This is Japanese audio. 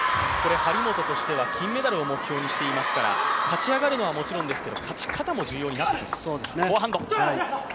張本としては金メダルを目標にしていますから勝ち上がるのはもちろんですけど勝ち方も重要になってきます。